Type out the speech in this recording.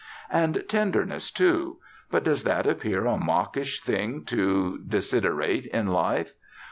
And tenderness, too but does that appear a mawkish thing to desiderate in life?